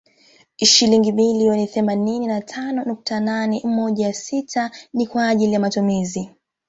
Shilingi bilioni themanini na tano nukta nane moja sita ni kwa ajili ya matumizi